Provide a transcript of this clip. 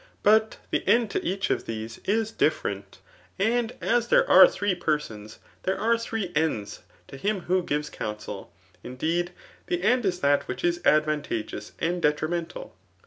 But the end to each of these is different ; and as there aK thtee persons diere are three ends ; to him who gives cwoael^ indeed, the iehd is that vhidb is advantageoim and detrimental.